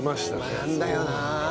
「学んだよな！」